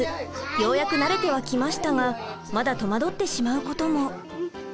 ようやく慣れてはきましたがまだ戸惑ってしまうことも。